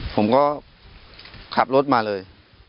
ผมก็ขับรถมาเลย